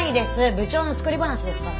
部長の作り話ですから。